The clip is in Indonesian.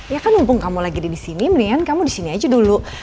ya kan mumpung kamu lagi ada di sini mendingan kamu di sini aja dulu